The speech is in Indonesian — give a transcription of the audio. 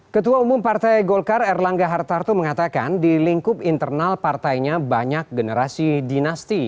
ketua umum partai golkar erlangga hartarto mengatakan di lingkup internal partainya banyak generasi dinasti